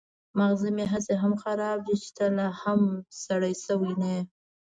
ماغزه مې هسې هم خراب دي چې ته لا هم سړی شوی نه يې.